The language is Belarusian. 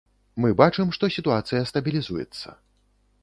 Мы бачым, што сітуацыя стабілізуецца.